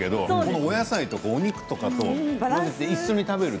お野菜とかお肉とかと一緒に食べると。